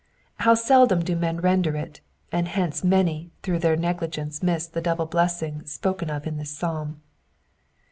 How seldom do men render it, and hence many through their negligence miss the' double blessing spoken of in this psalm.